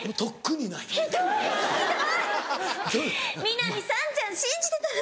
「南さんちゃん信じてたのに」。